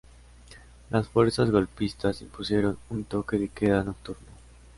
Las fuerzas golpistas impusieron un toque de queda nocturno.